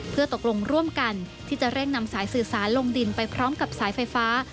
เพื่อตกลงร่วมกันที่จะเร่งนำสายสื่อสารลงดินไปพร้อมกับสายไฟฟ้า